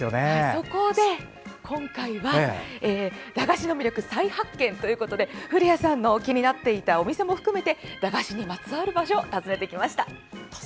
そこで今回は「駄菓子の魅力再発見！」ということで古谷さんが気になっていたお店も含めて駄菓子にまつわる場所を訪ねてきました。